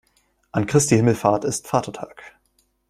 An Christi Himmelfahrt ist Vatertag.